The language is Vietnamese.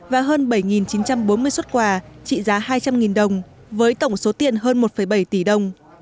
và hơn bảy chín trăm bốn mươi xuất quà trị giá hai trăm linh đồng với tổng số tiền hơn một bảy tỷ đồng